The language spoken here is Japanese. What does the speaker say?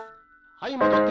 はいもどって。